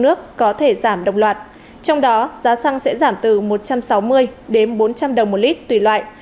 đến bốn trăm linh đồng một lít tùy loại